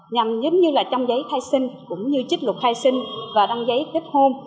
nhằm giống như là trong giấy khai sinh cũng như trích luật khai sinh và đăng giấy kết hôn